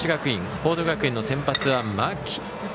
報徳学園の先発は間木。